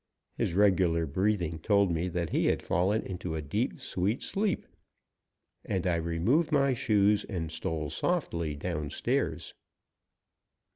His regular breathing told me he had fallen into a deep, sweet sleep, and I removed my shoes and stole softly downstairs.